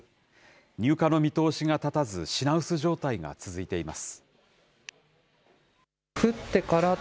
入荷の見通しが立たず、品薄状態が続いています。